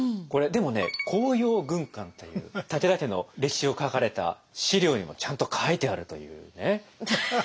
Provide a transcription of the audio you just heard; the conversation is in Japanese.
これでもね「甲陽軍鑑」という武田家の歴史を書かれた史料にもちゃんと書いてあるというね。